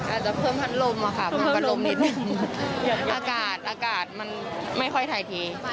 อาจจะเพิ่มพันธุ์ลมอะค่ะอากาศอากาศมันไม่ค่อยถ่ายที